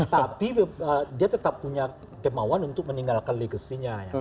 tapi dia tetap punya kemauan untuk meninggalkan legasinya